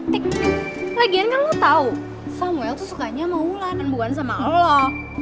tik lagian kan lo tau samuel tuh sukanya sama ulan dan bukan sama lo